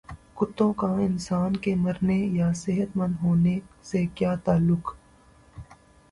کتوں کا انسان کے مرنے یا صحت مند ہونے سے کیا تعلق